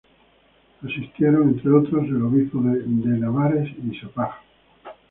Asistieron, entre otros, el obispo De Nevares y Sapag.